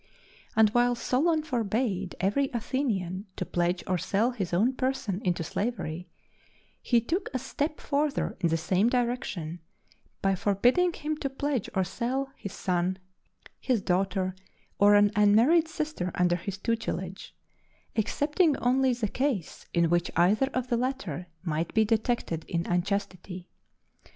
And while Solon forbade every Athenian to pledge or sell his own person into slavery, he took a step farther in the same direction by forbidding him to pledge or sell his son, his daughter, or an unmarried sister under his tutelage excepting only the case in which either of the latter might be detected in unchastity.